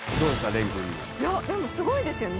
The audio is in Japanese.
廉くんのでもすごいですよね